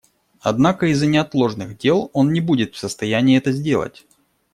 Однако из-за неотложных дел он не будет в состоянии это сделать.